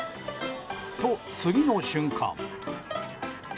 と、次の瞬間。